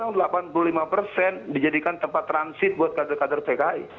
seat buat pengkader pengkader pki